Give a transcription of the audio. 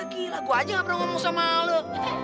gila gua aja gak perlu ngomong sama lu